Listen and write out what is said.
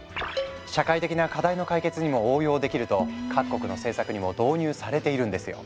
社会的な課題の解決にも応用できると各国の政策にも導入されているんですよ。